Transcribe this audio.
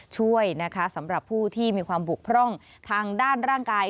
ช่วยนะคะสำหรับผู้ที่มีความบกพร่องทางด้านร่างกาย